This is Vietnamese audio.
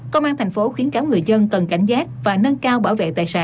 công an tp hcm khuyến cáo người dân cần cảnh giác và nâng cao bảo vệ tài sản